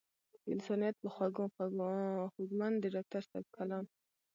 د انسانيت پۀ خوږو خوږمند د ډاکټر صېب کلام